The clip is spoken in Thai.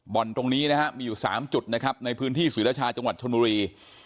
ตรงนี้นะฮะมีอยู่๓จุดนะครับในพื้นที่ศรีรชาจังหวัดชนบุรี